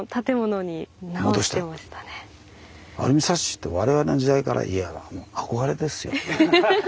アルミサッシって我々の時代からいえばもう憧れですよ。